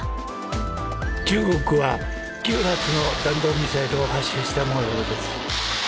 中国は９発の弾道ミサイルを発射したもようです。